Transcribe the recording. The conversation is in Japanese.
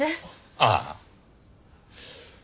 ああ。